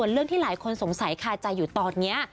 เรื่องที่หลายคนสงสัยคาใจอยู่ตอนนี้